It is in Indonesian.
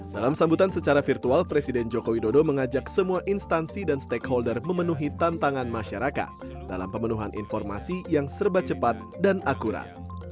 dalam sambutan secara virtual presiden joko widodo mengajak semua instansi dan stakeholder memenuhi tantangan masyarakat dalam pemenuhan informasi yang serba cepat dan akurat